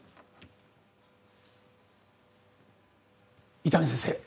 伊丹先生